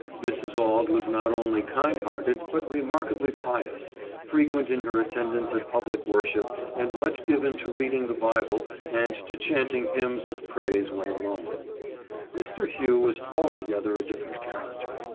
Mrs. Auld was not only kind hearted, but remarkably pious ; frequent in her attendance at public worship and much given to read ing the Bible and to chanting hymns of praise when alone. HER KIND TREATMENT. 93 Mr. Hugh was altogether a different character.